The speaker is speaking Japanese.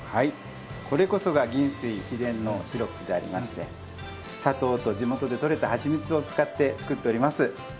これこそが銀水秘伝のシロップでございまして、砂糖と地元でとれたはちみつを使っております。